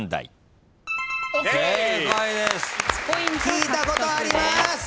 聞いたことあります！